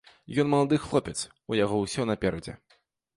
Ён малады хлопец, у яго ўсё наперадзе.